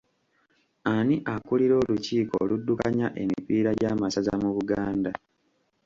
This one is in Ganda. Ani akulira olukiiko oluddukanya emipiira gya masaza mu Buganda?